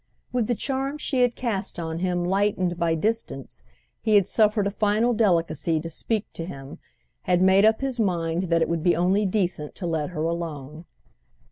With the charm she had cast on him lightened by distance he had suffered a final delicacy to speak to him, had made up his mind that it would be only decent to let her alone.